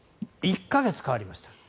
１か月変わりました。